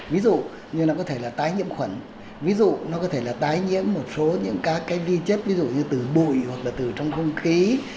ví dụ như nó có thể là tái nhiễm khuẩn ví dụ nó có thể là tái nhiễm một số những các cái vi chất ví dụ như từ bụi hoặc là từ trong không khí